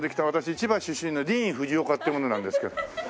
千葉出身のディーン・フジオカっていう者なんですけど。